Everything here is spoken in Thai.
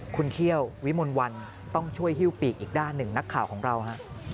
คุณเขี้ยววิมลวันต้องช่วยฮิ้วปีกอีกด้านหนึ่งนักข่าวของเราฮะ